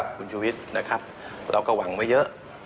คุณชูวิทย์นะครับเราก็หวังไว้เยอะ